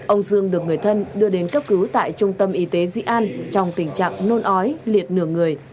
ông dương được người thân đưa đến cấp cứu tại trung tâm y tế dị an trong tình trạng nôn ói liệt nửa người